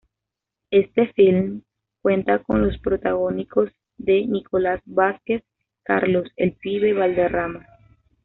Este film cuenta con los protagónicos de Nicolás Vázquez, Carlos "El Pibe" Valderrama.